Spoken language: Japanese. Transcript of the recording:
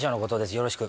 よろしく。